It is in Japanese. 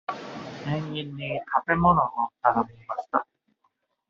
店員に食べ物を頼みました。